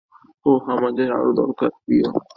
ওহ, আমাদের আরও দরকার, প্রিয়।